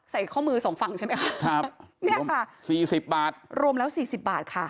ข้อมือสองฝั่งใช่ไหมคะครับเนี่ยค่ะสี่สิบบาทรวมแล้วสี่สิบบาทค่ะ